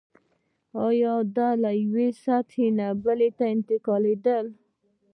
دا له یوې سلطې بلې ته انتقالېدل دي.